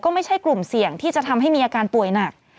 ไม่ใช่กลุ่มเสี่ยงที่จะทำให้มีอาการป่วยหนัก